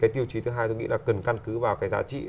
thứ hai tôi nghĩ là cần căn cứ vào cái giá trị